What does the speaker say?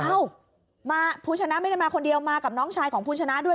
ผู้ชนะไม่ได้มาคนเดียวมากับน้องชายของผู้ชนะด้วย